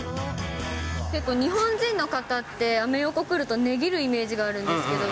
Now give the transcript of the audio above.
結構、日本人の方ってアメ横来ると、値切るイメージがあるんですけど。